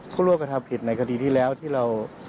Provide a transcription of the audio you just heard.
ผู้ร่วมกระทำผิดในคดีที่แล้วที่เรา